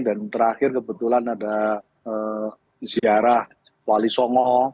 dan terakhir kebetulan ada ziarah wali songo